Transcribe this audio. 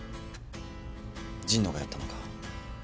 神野がやったのか？